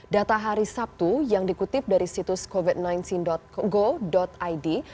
data hari sabtu yang dikutip dari situs covid sembilan belas go id